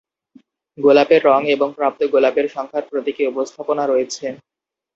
গোলাপের রঙ এবং প্রাপ্ত গোলাপের সংখ্যার প্রতীকী উপস্থাপনা রয়েছে।